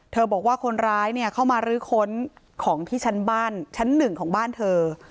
บอกว่าคนร้ายเนี่ยเข้ามารื้อค้นของที่ชั้นบ้านชั้นหนึ่งของบ้านเธอ